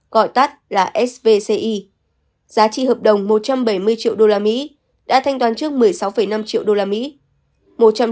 giá trị hợp đồng một trăm bảy mươi triệu usd đã thanh toán trước một mươi sáu năm triệu usd